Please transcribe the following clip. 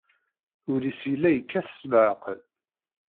Ul-is yella yekkat s leɛqel.